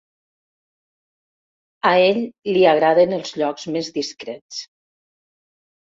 A ell li agraden els llocs més discrets.